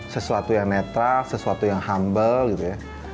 sesuatu yang netral sesuatu yang humble